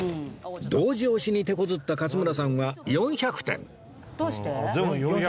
同時押しに手こずった勝村さんは４００点でも４００点。